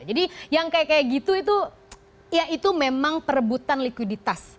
jadi yang kayak kayak gitu itu ya itu memang perebutan likuiditas